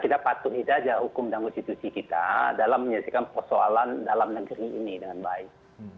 kita patuhi saja hukum dan konstitusi kita dalam menyelesaikan persoalan dalam negeri ini dengan baik